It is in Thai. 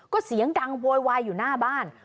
ก็เสียงดังโวยวายอยู่หน้าบ้าน